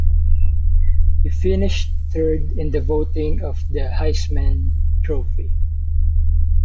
He finished third in the voting for the Heisman Trophy.